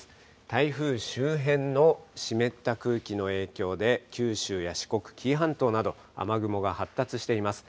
台風周辺の湿った空気の影響で、九州や四国、紀伊半島など、雨雲が発達しています。